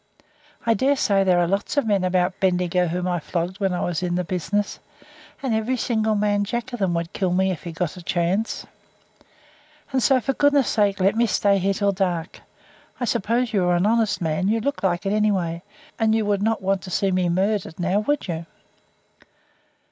I daresay there are lots of men about Bendigo whom I flogged while I was in the business, and every single man jack of them would kill me if he got the chance. And so for goodness' sake let me stay here till dark. I suppose you are an honest man; you look like it anyway, and you would not want to see me murdered, now, would you?"